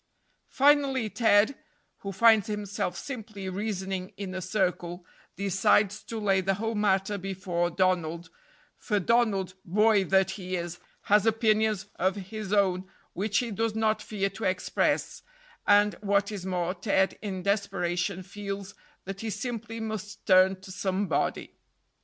Finally Ted, who finds himself simply reasoning in a circle, decides to lay the whole matter before Donald; for Donald, boy that he is, has opinions of his own which he does not fear to express, and, what is more, Ted in desperation feels that he simply must turn to somebody.